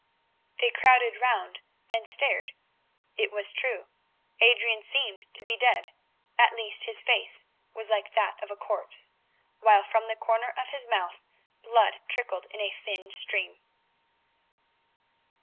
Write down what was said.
They crowded round and stared. It was true, Adrian seemed to be dead; at least his face was like that of a corpse, while from the corner of his mouth blood trickled in a thin stream.